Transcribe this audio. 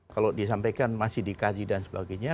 kalau disampaikan masih dikaji dan sebagainya